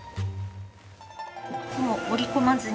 もう折り込まずに？